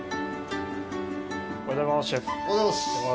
おはようございますシェフ。